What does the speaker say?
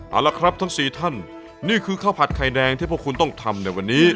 เอาละครับทั้งสี่ท่านนี่คือข้าวผัดไข่แดงที่พวกคุณต้องทำในวันนี้